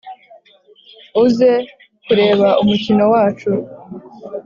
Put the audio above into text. uze kureba umukino wacu